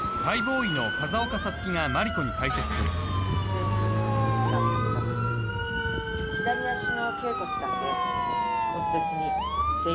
全身に骨折があったけど左足の脛骨だけ骨折に生活反応があった。